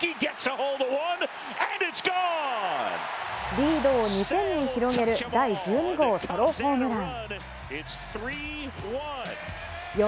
リードを２点に広げる第１２号ソロホームラン！